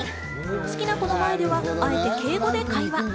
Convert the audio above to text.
好きな子の前ではあえて敬語で会話。